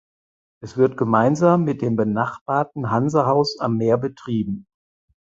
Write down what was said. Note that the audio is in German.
Es wird gemeinsam mit dem benachbarten Hansa Haus am Meer betrieben.